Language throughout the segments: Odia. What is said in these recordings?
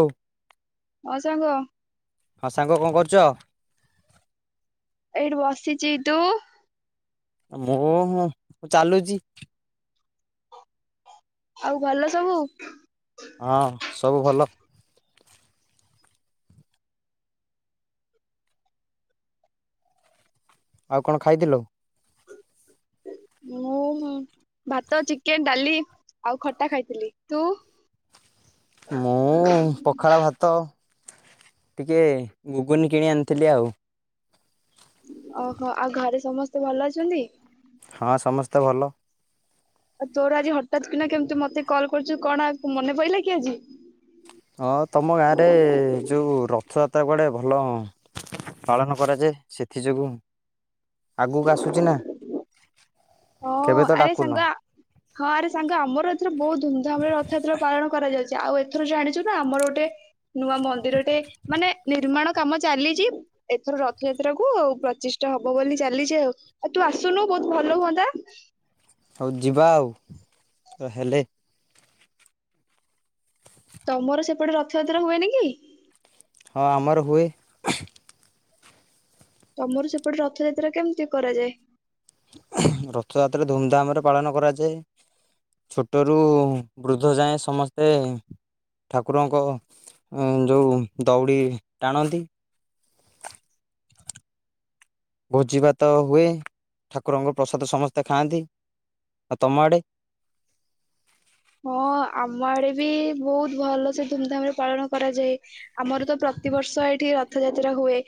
ଅଉ। ହ ସାଙ୍ଗ। ହଁ ସାଙ୍ଗ କଣ କରୁଚ?? ଏଠି ବସିଛି ତୁ? ମୁଁ ମୁଁ ଚାଲୁଛି। ଆଉ ଭଲ ସବୁ? ହଁ ସବୁ ଭଲ୍। ଆଉ କଣ ଖାଇଥିଲୁ? ମୁଁ ଭାତ, ଚିକେନ୍, ଡାଲି ଆଉ ଖଟା ଖାଇଥିଲି। ତୁ? ମୁଁ ପଖାଳ ଭାତ। ଟିକେ ଗୁଗୁନି କିଣି ଆଣିଥିଲି ଆଉ। ଓହୋ ଆଉ ଘରେ ସମସ୍ତେ ଭଲ ଅଛନ୍ତି? ତ ଭଲ ଆଉ ତୋର ଆଜି ହଠାତ୍ କିନା କେମିତି ମୋତେ କଲ୍ କରିଚୁ, କଣ ମନେ ପଇଲା କି ଆଜି? ହଁ ତୋମ ଗାଁରେ ଯୋଉ ରଥଯାତ୍ରା କୁଆଡ଼େ ଭଲ ପାଳନ କରାଯାଏ, ସେଥି ଯୋଗୁଁ ଆଗକୁ ଆସୁଚି ନା। ହଁ କେବେ ତ ଆରେ ଡାକୁନ ସାଙ୍ଗ ହଁ ଆରେ ସାଙ୍ଗ ଆମର ଏଥିରେ ବହୁତ ଧୁମଧାମ୍ ରେ ରଥଯାତ୍ରା ପାଳନ କରାଯାଉ ଚି ଆଉ ଏଥର ଜାଣିଚୁ ନା ଆମର ଗୋଟେ ନୂଆ ମନ୍ଦିରଟେ ମାନେ ନିର୍ମାଣ କାମ ଚାଲିଚି, ଏଥର ରଥଯାତ୍ରା କୁ ଆଉ ପ୍ରଚିଷ୍ଠା ହବ ବୋଲି ଚାଲିଚି ଆଉ, ଆଉ ତୁ ଆସୁନୁ ବହୁତ ଭଲ ହୁଅନ୍ତା। [inaudible] ହଉ ଯିବା ଆଉ, ହେଲେ ତୋମର ସେପଟେ ରଥଯାତ୍ରା ହୁଏନି କି? ହଁ ଆମର ହୁଏ। ତୋମର ସେପଟେ ରଥଯାତ୍ରା କେମିତି କରାଯାଏ? ରଥଯାତ୍ରା ଧୁମଧାମ୍ ରେ ପାଳନ କରାଯାଏ, ଛୋଟରୁ ବୃଦ୍ଧ ଯାଏ ସମସ୍ତେ ଠାକୁରଙ୍କ ଅଁ ଯୋଉ ଦଉଡ଼ି ଟାଣନ୍ତି। ଭୋଜି ଭାତ ହୁଏ ଠାକୁରଙ୍କ ପ୍ରସାଦ ସମସ୍ତେ ଖାଆନ୍ତି, ଆ ତୋମ ଆଡେ? ହଁ ଆମ ଆଡେ ବି ବହୁତ ଭଲ ସେ ଧୁମଧାମ୍ ରେ ପାଳନ କରାଯାଏ, ଆମର ତ ପ୍ରତିବର୍ଷ ଏଇଠି ରଥଯାତ୍ରା ହୁଏ,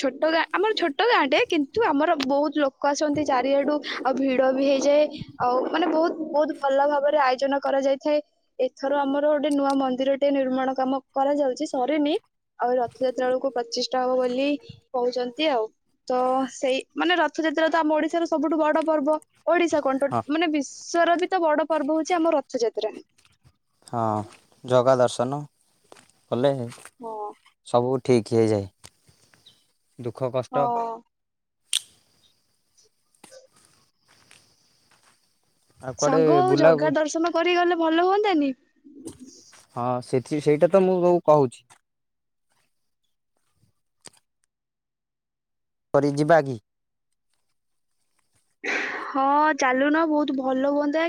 ଛୋଟ ଗାଁ ଆମର ଛୋଟ ଗାଁ ଟେ କିନ୍ତୁ ଆମର ବହୁତ ଲୋକ ଆସନ୍ତି ଚାରିଆଡୁ ଆଉ ଭିଡ ବି ହେଇ ଯେ ଆଉ ମାନେ ବହୁତ ବହୁତ ଭଲ ଭାବରେ ଆୟ ଜନ କରାଯାଇଥାଏ, ଏଥର ଆମର ଗୋଟେ ନୂଆ ମନ୍ଦିର ଟେ ନିର୍ମାଣ କାମ କରାଯାଉଚି, ସରିନି ଆଉ ରଥଯାତ୍ରା ବେଳକୁ ପ୍ରତିଷ୍ଠା ହବ ବୋଲି କହୁଚନ୍ତି, ଆଉ ତ ସେଇ ମାନେ ରଥଯାତ୍ରା ତ ଆମ ଓଡିଶାର ସବୁଠୁ ବଡ ପର୍ବ। ଓଡିଶା କଣ ହଁ ଟୋ- ମାନେ ବିସ୍ ଶ୍ୱର ବି ତ ବଡ ପର୍ବ ହଉ ଚି ଆମ ରଥଯାତ୍ରା। ହଁ ଜଗା ଦର୍ଶନ କଲେ ହଁ ସବୁ ଠିକ୍ ହେଇଯାଏ। ଦୁଃଖ, କଷ୍ଟ ହଁ ଆଉ କୁଆଡ଼େ ସାଙ୍ଗ ଆଉ ବୁଲା ହଁ ଜଗା ଦର୍ଶନ କରିଗଲେ ଭଲ ହୁଅନ୍ନ୍ତାନି। ହଁ ସେ ସେ-ସେଇଟା ତ ମୁଁ କହୁଛି। କରି ଯିବା କି? ହଁ ଚାଲୁନ ବହୁତ ଭଲ ହୁଅନ୍ତା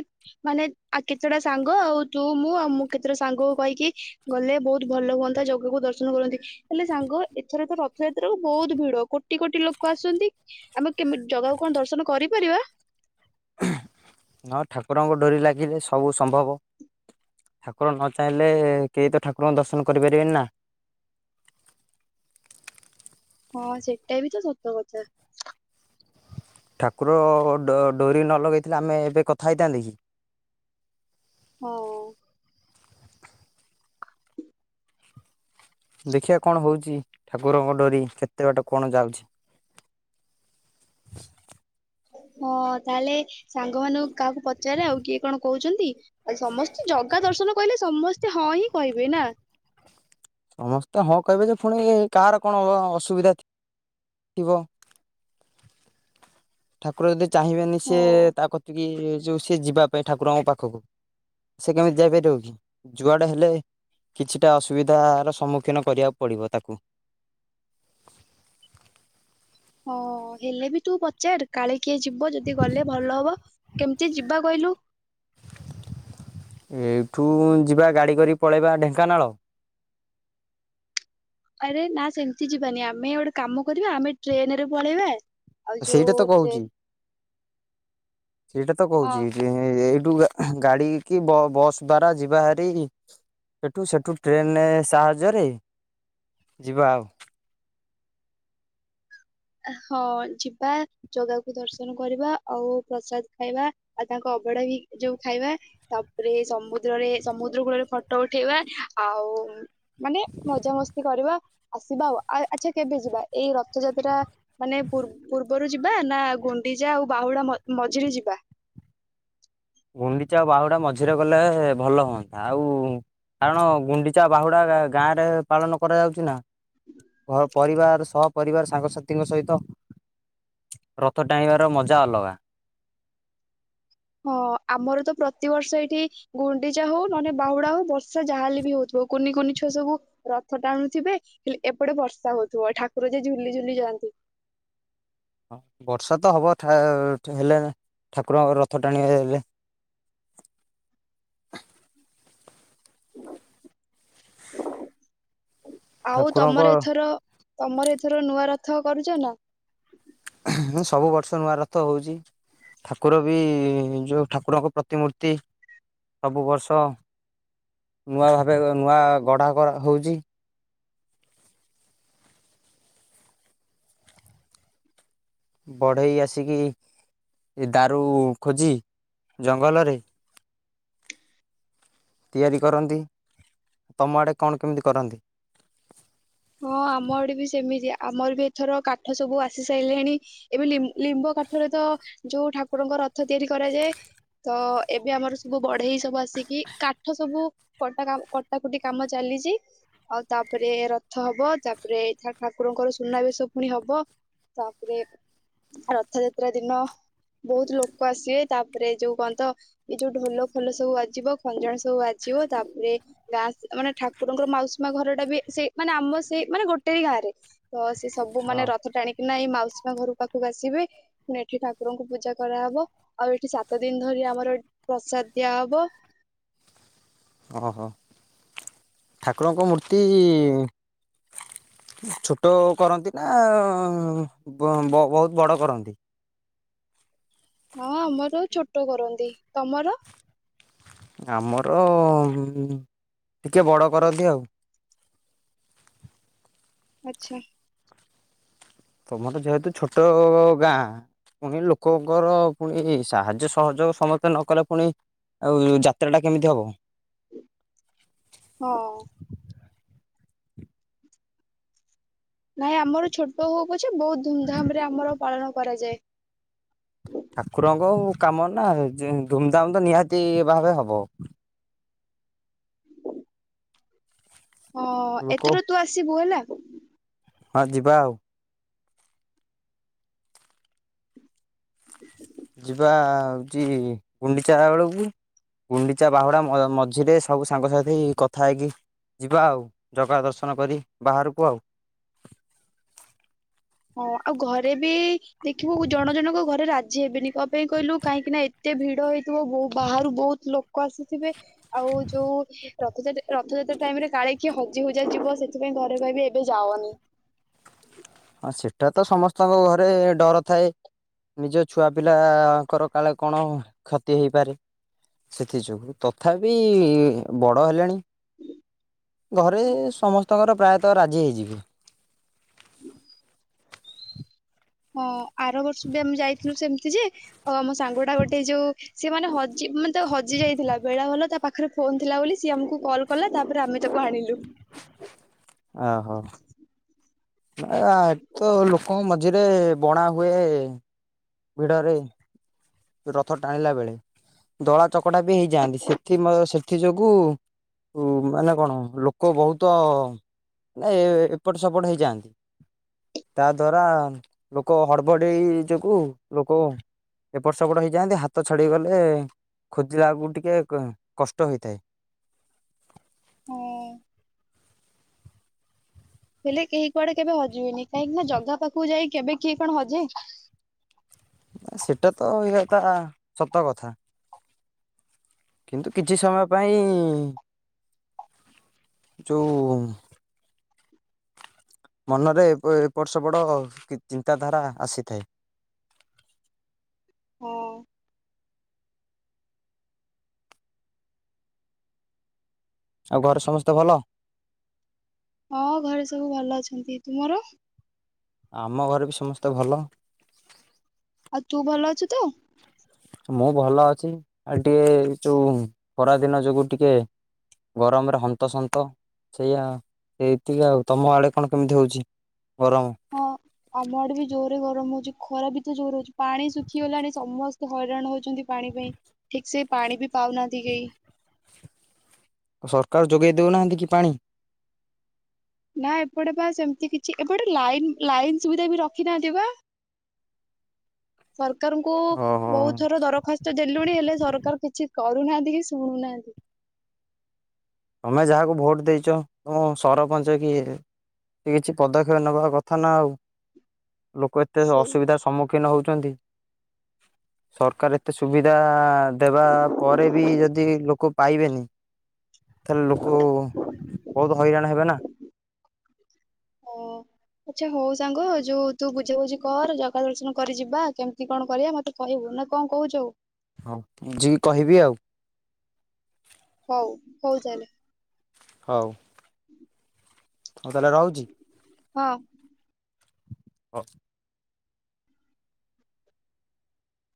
ମାନେ ଆ କେତେଟା ସାଙ୍ଗ ଆଉ ତୁ ମୁଁ, ଆଉ ମୁଁ କେତେଟା ସାଙ୍ଗକୁ କହିକି ଗଲେ ବହୁତ ଭଲ ହୁଅନ୍ତା ଜଗାକୁ ଦର୍ଶନ କରନ୍ତି, ହେଲେ ସାଙ୍ଗ ଏଥର ତ ରଥଯାତ୍ରାକୁ ବହୁତ ଭିଡ କୋଟି କୋଟି ଲୋକ ଆସନ୍ତି, ଆମେ କେମି ଜଗାକୁ କଣ ଦର୍ଶନ କରିପାରିବା? ହଁ ଠାକୁରଙ୍କ ଡରି ଲାଗିଲେ ସବୁ ସମ୍ଭବ, ଠାକୁର ନ ଚାହିଁଲେ କେହି ତ ଠାକୁରଙ୍କୁ ଦର୍ଶନ କରିପାରିବେନି ନା। ହଁ ସେଟା ବି ତ ସତ କଥା। ଠାକୁର ଡ-ଡୋରି ନ ଲଗେଇଥିଲେ ଆମେ ଏବେ କଥା ହେଇଥାନ୍ତେ କି? ହଁ। ଦେଖିବା କଣ ହଉଚି, ଠାକୁରଙ୍କ ଡୋରି କେତେ ବାଟ କଣ ଯାଉଛି। ହଁ ତାହେଲେ ସାଙ୍ଗ ମାନଙ୍କୁ କାହାକୁ ପଚାରେ ଆଉ କିଏ କଣ କହୁଚନ୍ତି? ଆଉ ସମସ୍ତେ ଜଗା ଦର୍ଶନ କହିଲେ ସମସ୍ତେ ହଁ ହିଁ କହିବେ ନା। ସମସ୍ତେ ହଁ କହିବେ ଯେ ଫୁଣି କାହାର କଣ ଅ ଅସୁବିଧା ଥିବ। ଠାକୁର ଯଦି ଚାହିଁବେନି ସିଏ ହଁ। ତା କତିକି ଯୋଉ ସିଏ ଯିବା ପାଇଁ ଠାକୁରଙ୍କ ପାଖକୁ, ସେ କେମିତି ଯାଇପାରିବ କି? ଯୁଆଡେ ହେଲେ କିଛିଟା ଅସୁବିଧାର ସମ୍ମୁଖୀନ କରିବାକୁ ପଡିବ ତାକୁ। ହଁ ହେଲେ ବି ତୁ ପଚାର କାଳେ କିଏ ଯିବ ଯଦି ଗଲେ ଭଲ ହବ, କେମିତି ଯିବା କହିଲୁ? ଏଇଠୁ ଯିବା ଗାଡ଼ି କରି ପଳେଇବା ଢେଙ୍କାନାଳ ଆରେ ନା ସେମିତି ଯିବାନି ଆମେ ଗୋଟେ କାମ କରିବା ଆମେ ଟ୍ରେନରେ ପଳେଇବା। ଆଉ ଯୋଉ ସେଇଟା ତ ଟ୍ରେନ କହୁଚି। ସେଇଟା ତ ହଁ କହୁଚି, ଯେ ଏଇ ଟୁ ଗାଡ଼ି କି ବ-ବସ୍ ଦ୍ୱାରା ଯିବା ହାରିକି ସେଠୁ ସେଠୁ ଟ୍ରେନେ ସାହାଯ୍ୟରେ ଯିବା ଆଉ। ହଁ ଯିବା ଜଗାକୁ ଦର୍ଶନ କରିବା, ଆଉ ପ୍ରସାଦ ଖାଇବା ଆଉ ତାଙ୍କ ଅବଢା ବି ଯୋଉ ଖାଇବା, ତାପରେ ସମୁଦ୍ରରେ ସମୁଦ୍ର କୂଳରେ ଫଟୋ ଉଠେଇବା ଆଉ ମାନେ ମଜାମସ୍ତି କରିବା। ଆସିବା ଆଉ, ଆ, ଆଚ୍ଛା କେବେ ଯିବା ଏଇ ରଥଯାତ୍ରା ମାନେ ପୂର ପୂର୍ବରୁ ଯିବା ନା ଗୁଣ୍ଡିଜା ଆଉ ବାହୁଡା ମ- ମଝିରେ ଯିବା? ଗୁଣ୍ଡିଚା ବାହୁଡା ମଝିରେ ଗଲେ ଭଲ ହୁଅନ୍ତା, ଆଉ କାରଣ ଗୁଣ୍ଡିଚା ବାହୁଡା ଗାଁ ରେ ପାଳନ କରାଯାଉଛି ନା, ଘ- ପରିବାର ସହପରିବାର ସାଙ୍ଗସାଥିଙ୍କ ସହିତ ରଥ ଟାଣିବାର ମଜା ଅଲଗା। ହଁ ଆମର ତ ପ୍ରତିବର୍ଷ ଏଇଠି ଗୁଣ୍ଡିଚା ହଉ ନହନେ ବାହୁଡା ହଉ ବର୍ଷା ଯାହାହେଲେ ବି ହଉଥିବ, କୁନି କୁନି ଛୁଆ ସବୁ ରଥ ଟାଣୁଥିବେ, ହେଲେ ଏପଟେ ବର୍ଷା ହଉଥିବ ଠାକୁର ଯେ ଝୁଲି ଝୁଲି ଯାଆନ୍ତି। ହଁ ବର୍ଷା ତ ହବ ଥେ-ହେଲେ ଠାକୁରଙ୍କ ରଥ ଟାଣି ହେଲେ ଆଉ ଠାକୁରଙ୍କ ତୋମର ଏଥର ତୋମର ଏଥର ନୂଆ ରଥ କରୁଚ ନା? ହଁ ସବୁ ବର୍ଷ ନୂଆ ରଥ ହଉଚି, ଠାକୁର ବି ଯୋଉ ଠାକୁରଙ୍କ ପ୍ରତିମୂର୍ତ୍ତି ସବୁ ବର୍ଷ ନୂଆ ଭାବେ ନୂଆ ଗଢ଼ା କରା ହଉଚି। ବଢ଼େଇ ଆସିକି ଏ ଦାରୁ ଖୋଜି ଜଙ୍ଗଲରେ ତିଆରି କରନ୍ତି। ତୋମ ଆଡ଼େ କଣ କେମିତି କରନ୍ତି? ହଁ ଆମ ଆଡେ ବି ସେମିତି ଆମର ବି ଏଥର କାଠ ସବୁ ଆସି ସାରିଲେଣି, ଏବେ ଲିମ୍ ଲିମ୍ବ କାଠରେ ତ ଯୋଉ ଠାକୁରଙ୍କ ରଥ ତିଆରି କରାଯାଏ, ତ ଏବେ ଆମର ସବୁ ବଢ଼େଇ ସବୁ ଆସିକି କାଠ ସବୁ କଟା କାମ କଟା କଟି କାମ ଚାଲିଚି, ଆଉ ତାପରେ ର ଥ ହବ ତାପରେ ଠା-ଠାକୁରଙ୍କର ସୁନାବେେଶ ପୁଣି ହବ, ତାପରେ ରଥଯାତ୍ରା ଦିନ ବହୁତ ଲୋକ ଆସିବେ, ତାପରେ ଯୋଉ କଣ ତ ଏ ଯୋଉ ଢୋଲ ଫୋଲ ସବୁ ବାଜିବ, ଖଞ୍ଜଣ ସବୁ ବାଜିବ, ତାପରେ ଗାଁ ମାନେ ଠାକୁରଙ୍କର ମାଉସୀ ମା ଘର ଟା ବି ସେ ମାନେ ଆମ ସେଇ ମାନେ ଗୋଟେଇ ଗାଁ ରେ ତ ସବୁ ହଁ। ମାନେ ରଥ ଟାଣିକି ନା ଏଇ ମାଉ ସୀମା ଘର ପାଖକୁ ଆସିବେ, ପୁଣି ଏଠି ଠାକୁରଙ୍କୁ ପୂଜା କରାହେବ, ଆଉ ଏଠି ସାତ ଦିନ ଧରି ଆମର ପ୍ରସାଦ ଦିଆହବ। ଓହୋ ଠାକୁରଙ୍କ ମୂର୍ତ୍ତି ଛୋଟ କରନ୍ତି ନା ଅଁ, ବ- ବହୁତ ବଡ କରନ୍ତି? ହଁ ଆମର ଛୋଟ କରନ୍ତି, ତୋମର? ଆମର ଅଁ ଟିକେ ବଡ କରନ୍ତି ଆଉ। ଆଚ୍ଛା। ତୋମର ଯେହେତୁ ଛୋଟ ଗାଁ ପୁଣି ଲୋକଙ୍କର ପୁଣି ସାହାଯ୍ୟ ସହଯୋଗ ସମସ୍ତେ ନ କଲେ ପୁଣି ଆଉ ଯାତ୍ରା ଟା କେମିତି ହବ। ହଁ। ନାଇଁ ଆମର ଛୋଟ ହୋଉ ପ ଛେ ବହୁତ ଧୁମଧାମ୍ ରେ ଆମର ପାଳନ କରାଯାଏ। ଠାକୁରଙ୍କ କାମ ନା ଯେ ଧୁମଧାମ୍ ତ ନିହାତି ଭାବେ ହବ। ହଁ ଲୋକ ଏଥର ତୁ ଆସିବୁ ହେଲା। ହଁ ଯିବା ଆଉ। [inaudible] ଯିବା ହଉଚି ଗୁଣ୍ଡିଚା ବେଳକୁ ଗୁଣ୍ଡିଚା ବାହୁଡା ମଝିରେ ସବୁ ସାଙ୍ଗସାଥି କଥା ହେଇକି ଯିବା ଆଉ ଜଗା ଦର୍ଶନ କରି ବାହାରକୁ ଆଉ। ହଁ ଆଉ ଘରେ ବି ଦେଖିବୁ ଜଣ ଜଣଙ୍କ ଘରେ ରା ଜି ହେବେନି କଅ ପାଇ କଇଲୁ କାହିଁକି ନା ଏତେ ଭିଡ ହେଇଥିବ ବୋ ବାହାରୁ ବହୁତ ଲୋକ ଆସିଥିବେ ଆଉ ଯୋଉ ରଥଯାତା ରଥଯାତ୍ରା ଟାଇମ୍ ରେ କାଳେ କିଏ ହଜି ହୁଜା ଯିବ ସେଥିପାଇଁ ଘରେ କହିବେ ଏବେ ଯାଅନି। ସେଇଟା ତ ସମସ୍ତଙ୍କ ଘରେ ଡର ଥାଏ ନିଜ ଛୁଆ ପିଲାଙ୍କର କାଳେ କଣ କ୍ଷତି ହେଇପାରେ ସେଥିଯୋଗୁ ତଥାପି ବଡ଼ ହେଲେଣି। ଘରେ ସମସ୍ତଙ୍କର ପ୍ରାୟ ତ ରାଜି ହେଇଯିବେ। ହୁଁ [inaudible] ହଁ। ଆର ବର୍ଷ ବି ଆମେ ଯାଇଥିଲୁ ସେମିତି ଯେ। ଓ ମୋ ସାଙ୍ଗ ଟା ଗୋଟେ ଯୋଉ ସିଏ ମାନେ ହଜି ମାନେ ତା ହଜି ଯାଇଥିଲା ବେଳା ଭଲ ତା ପାଖରେ ଫୋନ ଥିଲା ବୋଲି ସିଏ ଆମକୁ କଲ୍ କଲା ତାପରେ ଆମେ ତାକୁ ଆଣିଲୁ। ଓହୋ [unintelligible] ତ ଲୋକଙ୍କ ମ ମଝିରେ ବଣା ହୁଏ। ଭିଡରେ ରଥ ଟାଣିଲା ବେଳେ ଦଳା ଚକଡ଼ା ବି ହେଇଯାଆନ୍ତି ସେଥି ମ ସେଥି ଯୋଗୁ କୁ ମାନେ କଣ ଲୋକ ବହୁତ ଏ ଏପଟ ସେପଟ ହେଇଯାଆନ୍ତି ତା ଦ୍ଵାରା ଲୋକ ହଡ଼ବଡ଼େଇ ଯୋଗୁ ଲୋକ ଏପଟ ସେପଟ ହେଇଯାଆନ୍ତି ହାତ ଛଡେଇ ଗଲେ ଖୋଜିଲା କୁ ଟିକେ କଷ୍ଟ ହୋ। ହୁଁ। ହେଲେ କେହି କୁଆଡେ କେବେ ହଜିବେନି କାହିଁକି ନା ଜାଗା ପାଖକୁ ଯାଇ କେବେ କିଏ କଣ ହଜେ। ସେଇଟା ତ ଇଏ ତା ସତ କଥା। କିନ୍ତୁ କିଛି ସମୟ ପାଇଁ ଯୋଉ ମନରେ ଏପଟ ସେପଡ ଚିନ୍ତାଧାରା ଆସିଥାଏ। ହଁ। ଆଉ ଘରେ ସମସ୍ତେ ଭଲ। ହଁ ଘରେ ସବୁ ଭଲ ଅଛନ୍ତି। ତୁମର? ଆମ ଘରେ ବି ସମସ୍ତେ ଭଲ। ଆଉ ତୁ ଭଲ ଅଛୁ ତ। ମୁଁ ଭଲ ଅଛି ଆଉ ଟିକେ ଯୋଉ ଖରାଦିନ ଯୋଗୁ ଟିକେ ଗରମରେ ହନ୍ତସନ୍ତ। ସେଇଆ ଏତିକି ଆଉ ତମ ଆଡ଼େ କଣ କେମିତି ହଉଛି? ଗରମ ହଁ ଆମ ଆଡେ ବି ଜୋରେ ଗରମ ହଉଚି। ଖରା ଭି ତ ଜୋରେ ହଉଚି ପାଣି ଶୁଖିଗଲାଣି ସମସ୍ତେ ହଇରାଣ ହଉଚନ୍ତି ପାଣି ପାଇଁ ଠିକ ସେ ପାଣି ବି ପାଉନାଆତି କେଇ। ସରକାର ଯୋଗେଇ ଦଉନାହାନ୍ତି କି ପାଣି? ନା ଏପଟେ ପା ସେମିତି କିଛି ଏପଟେ ଲାଇନ ଲାଇନ ସୁବିଧା ବି ରଖି ନାହାନ୍ତି ପା ସର୍ କାରଙ୍କୁ ଓହୋ ବହୁତ ଥର ଦରଖାସ୍ତ ଦେଲୁଣି ହେଲେ ସରକାର କିଛି କରୁ କରୁନାହାନ୍ତି କି ଶୁଣୁନାହାନ୍ତି। ତମେ ଯାହାକୁ ଭୋଟ ଦେଇଚ ତମ ସରପଞ୍ଚ କି କିଛି ପଦକ୍ଷେପ ନବା କଥା ନା ଆଉ। ଲୋକ ଏତେ ସେ ଅସୁବିଧାର ସମ୍ମୁଖୀ ସମୁଖିନ ହଉଛନ୍ତି। [inaudible] ସରକାର ଏତେ ସୁବିଧା ଦେବା ପରେ ବି ଯଦି ଲୋକ ପାଇବେନି। ତାହେଲେ ଲୋକ ବହୁତ ହଇରାଣ ହେବେ ନା। [inaudible] ଓ ଆଚ୍ଛା ହଉ ସାଙ୍ଗ ଯୋଉ ତୁ ବୁଝାବୁଝି କର। ଜଗା ଦର୍ଶନ କରି ଯିବା କେମିତି କଣ କରିବା ମତେ କହିବୁ ନା କଣ କହୁଚୁ। ହଁ ବୁଝିକି କହିବି ଆଉ। ହଉ ହଉ ତାହେଲେ। ହଉ। ହଉ ତାହେଲେ ରହୁଚି। ହଁ। ହ